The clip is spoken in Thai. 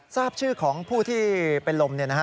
ทราบชื่อของผู้ที่เป็นลมเนี่ยนะฮะ